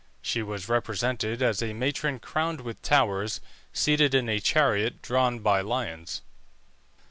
She was represented as a matron crowned with towers, seated in a chariot drawn by lions.